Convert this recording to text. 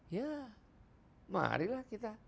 ya marilah kita